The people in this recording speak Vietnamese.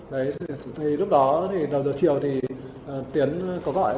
đấy thì lúc đó thì đầu giờ chiều thì tiến có gọi